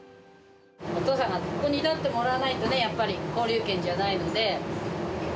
お父さんがここに立ってもらわないとね、やっぱり高龍軒じゃないので。